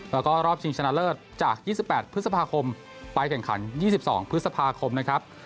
แล้วก็รอบชิงชนะเลิศจาก๒๘พฤษภาคมไปแข่งขัน๒๒พฤษภาคมนะครับ